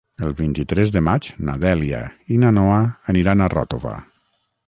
El vint-i-tres de maig na Dèlia i na Noa aniran a Ròtova.